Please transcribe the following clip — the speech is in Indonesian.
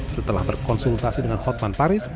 setelah berkonsultasi dengan hotman paris